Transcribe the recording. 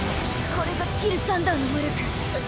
これがギルサンダーの魔力「雷帝」。